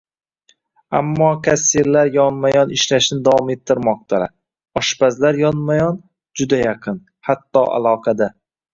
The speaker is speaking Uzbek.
Ammo kassirlar yonma -yon ishlashni davom ettirmoqdalar, oshpazlar yonma -yon - juda yaqin, hatto aloqada